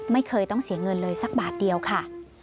ไม่เคยต้องเสียเงินเลยสักบาทเดียวค่ะ